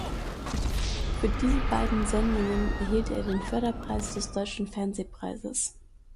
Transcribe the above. Für diese beiden Sendungen erhielt er den Förderpreis des Deutschen Fernsehpreises.